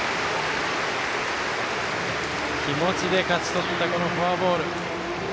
気持ちで勝ち取ったフォアボール。